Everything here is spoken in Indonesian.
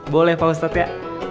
boleh pak ustadz ya